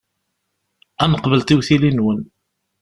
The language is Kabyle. Ad neqbel tiwtilin-nwen.